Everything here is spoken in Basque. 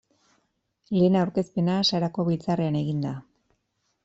Lehen aurkezpena Sarako biltzarrean egin da.